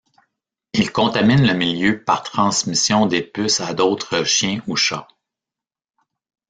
Il contamine le milieu par transmission des puces à d'autres chiens ou chats.